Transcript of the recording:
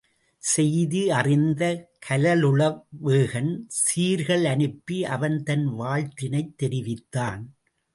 செய்தி அறிந்த கலுழவேகன் சீர்கள் அனுப்பி அவன் தன் வாழ்த்தினைத் தெரிவித்தான்.